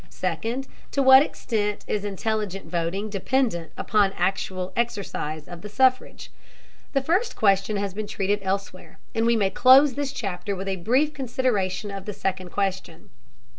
Second, to what extent is intelligent voting dependent upon actual exercise of the suffrage? The first question has been treated elsewhere, and we may close this chapter with a brief consideration of the second question.